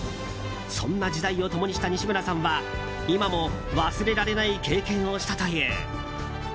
そんな時代を共にした西村さんは今も忘れられない経験をしたという。